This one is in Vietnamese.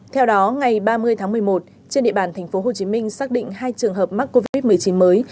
theo đó ngày ba mươi tháng một mươi một trên địa bàn tp hcm xác định hai trường hợp mắc covid một mươi chín mới